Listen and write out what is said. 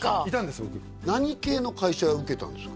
僕何系の会社受けたんですか？